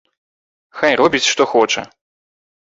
Хай робіць што хоча.